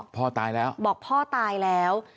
พ่อตายแล้วบอกพ่อตายแล้ว